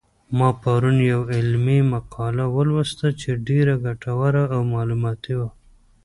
ما پرون یوه علمي مقاله ولوستله چې ډېره ګټوره او معلوماتي وه